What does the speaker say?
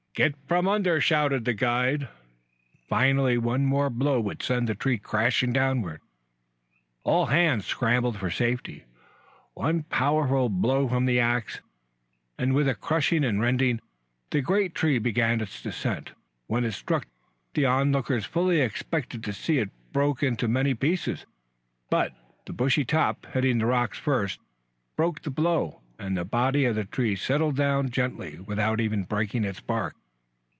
"Get from under!" shouted the guide finally. One more blow would send the tree crashing downward. All hands scrambled for safety. One powerful blow from the axe, and with a crashing and rending, the great tree began its descent. When it struck the onlookers fully expected to see it broken into many pieces, but the bushy top, hitting the rocks first, broke the blow, and the body of the tree settled down gently without even breaking its bark.